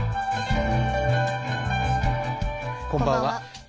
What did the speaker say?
こんばんは。